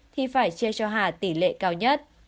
thì phải chia cho hà tỷ lệ cao nhất